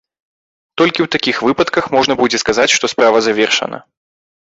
Толькі ў такіх выпадках можна будзе сказаць, што справа завершана.